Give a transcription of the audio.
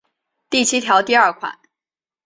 第七条第二款